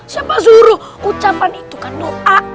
siapa zuruh ucapan itu kan doa